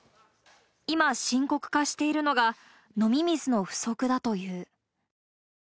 今、深刻化しているのが飲み水の不足だという。